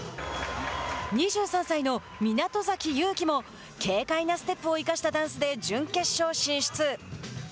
２３歳の湊崎勇樹も軽快なステップを生かしたダンスで準決勝進出。